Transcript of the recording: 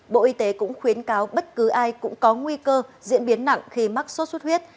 bộ y tế cũng khuyến cáo bất cứ ai cũng có nguy cơ diễn biến nặng khi mắc sốt xuất huyết